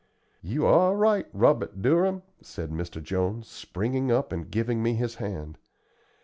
"You are right, Robert Durham!" said Mr. Jones, springing up and giving me his hand.